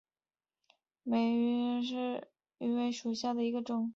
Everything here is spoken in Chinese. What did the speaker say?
疣柄美喙藓为青藓科美喙藓属下的一个种。